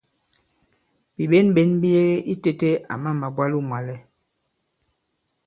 Bìɓěnɓěn bi yege itēte àmà màbwalo mwàlɛ.